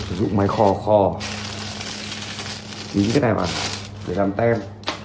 cái này là cái cái này các bạn nhìn là sao